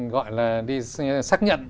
gọi là đi xác nhận